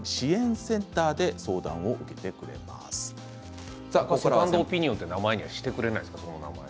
セカンドオピニオンという名前にはしてくれないんですね。